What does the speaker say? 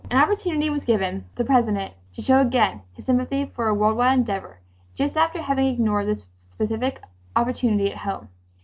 An opportunity was given the President to show again his sympathy for a world wide endeavor just after having ignored this specific opportunity at home.